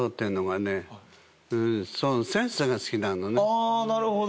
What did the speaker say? あなるほど。